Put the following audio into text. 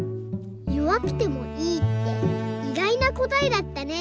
「よわくてもいい」っていがいなこたえだったね。